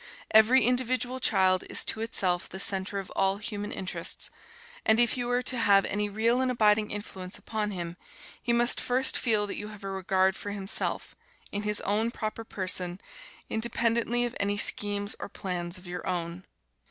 Every individual child is to itself the centre of all human interests, and if you are to have any real and abiding influence upon him, he must first feel that you have a regard for himself, in his own proper person, independently of any schemes or plans of your own.